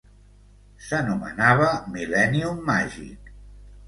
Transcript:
S'anomenava Millennium Magic.